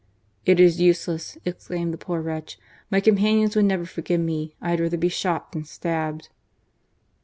"It is useless," exclaimed the poor wretch, "my companions would never forgive me. I had rather be shot than stabbed."